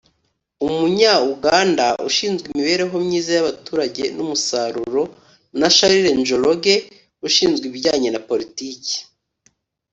Umunya-Uganda ushinzwe imibereho myiza y’abaturage n’umusaruro na Charles Njoroge ushinzwe ibijyanye na politiki